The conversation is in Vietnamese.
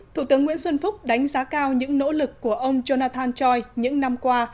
thủ tướng nguyễn xuân phúc đánh giá cao những nỗ lực của ông jonathan choi những năm qua